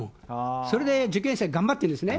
それで受験生は頑張ってるんですね。